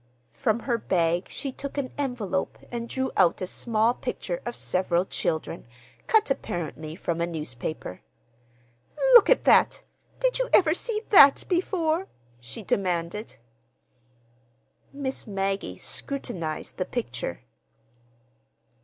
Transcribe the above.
From her bag she took an envelope and drew out a small picture of several children, cut apparently from a newspaper. "Look at that. Did you ever see that before?" she demanded. Miss Maggie scrutinized the picture.